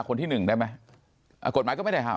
คนที่หนึ่งได้ไหม